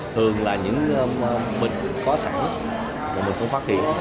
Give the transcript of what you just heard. thường là những bệnh có sẵn mà mình không phát hiện